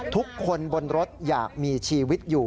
ทุกคนบนรถอยากมีชีวิตอยู่